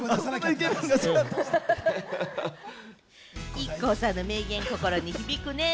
ＩＫＫＯさんの名言、心に響くね。